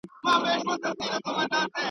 اوس په خپله يو د بل په لاس قتلېږي !.